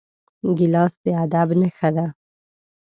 ګیلاس د ادب نښه ده.